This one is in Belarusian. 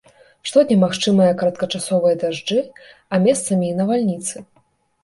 Штодня магчымыя кароткачасовыя дажджы, а месцамі і навальніцы.